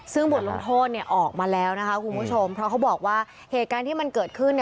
ซึ่งบทลงโทษออกมาแล้วนะคะคุณผู้ชมเพราะเขาบอกว่าเหตุการณ์ที่มันเกิดขึ้น